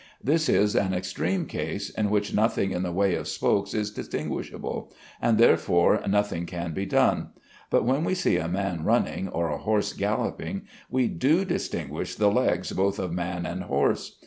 This is an extreme case, in which nothing in the way of spokes is distinguishable, and therefore nothing can be done; but when we see a man running or a horse galloping we do distinguish the legs both of man and horse.